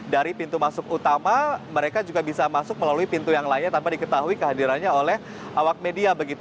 dari pintu masuk utama mereka juga bisa masuk melalui pintu yang lainnya tanpa diketahui kehadirannya oleh awak media